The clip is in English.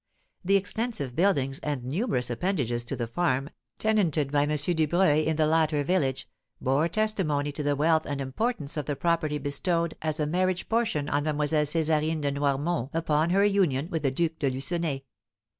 The extensive buildings and numerous appendages to the farm, tenanted by M. Dubreuil in the latter village, bore testimony to the wealth and importance of the property bestowed as a marriage portion on Mlle. Césarine de Noirmont upon her union with the Duke de Lucenay.